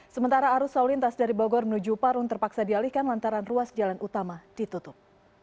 sementara arus lalu lintas dari bogor menuju parung terpaksa dialihkan lantaran ruas jalan utama ditutup